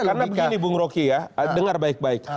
karena begini bang rocky ya dengar baik baik